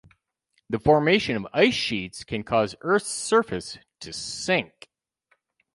The formation of ice sheets can cause Earth's surface to sink.